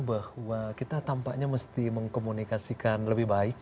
bahwa kita tampaknya mesti mengkomunikasikan lebih baik